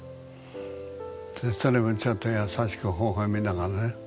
それもちょっと優しく微笑みながらね。